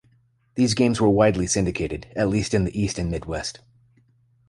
These games were widely syndicated at least in the east and midwest.